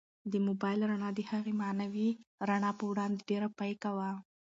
د موبایل رڼا د هغې معنوي رڼا په وړاندې ډېره پیکه وه.